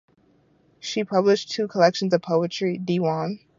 She published two collections of poetry (Diwan).